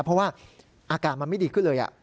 เพราะว่าอาการมันไม่ดีขึ้นเลย